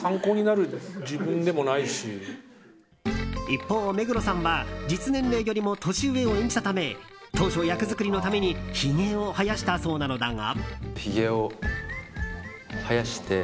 一方、目黒さんは実年齢よりも年上を演じたため当初、役作りのためにひげを生やしたそうなのだが。